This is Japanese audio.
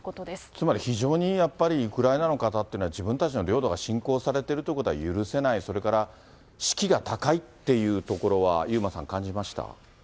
つまり非常にやっぱり、ウクライナの方っていうのは、自分たちの領土が侵攻されてるということは許せない、それから士気が高いっていうところは、遊馬さん、感じました？